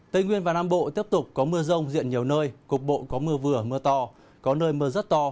tây nguyên và nam bộ tiếp tục có mưa rông diện nhiều nơi cục bộ có mưa vừa mưa to có nơi mưa rất to